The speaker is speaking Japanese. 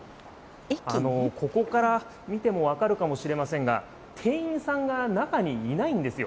ここから見ても分かるかもしれませんが、店員さんが中にいないんですよ。